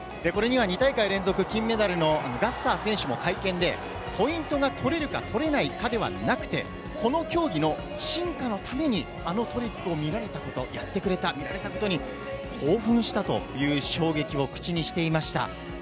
これには２大会連続金メダルのガッサー選手も会見で、ポイントが取れるか取れないかではなくて、この競技の進化のために、あのトリックを見られたこと、やってくれた、見られたことに、興奮したという衝撃を口にしていました。